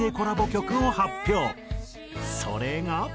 それが。